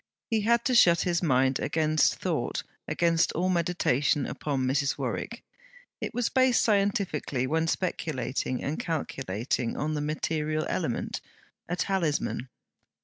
He had to shut his mind against thought, against all meditation upon Mrs. Warwick; it was based scientifically when speculating and calculating, on the material element a talisman.